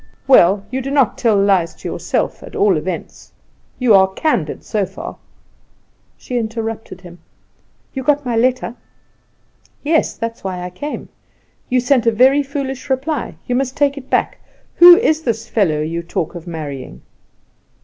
"Well, you do not tell lies to yourself, at all events. You are candid, so far." She interrupted him. "You got my short letter?" "Yes; that is why I come. You sent a very foolish reply; you must take it back. Who is this fellow you talk of marrying?"